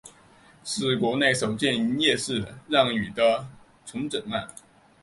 是国内首件营业式让与的重整案。